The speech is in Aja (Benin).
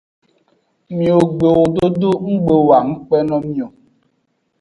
Miwo gbewo dodo nggbe wo ngukpe no mi o.